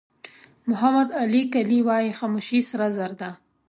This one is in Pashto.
محمد علي کلي وایي خاموشي سره زر ده.